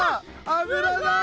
油だ！